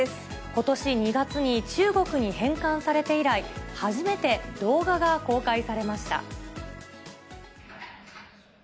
ことし２月に中国に返還されて以来、初めて動画が公開されました。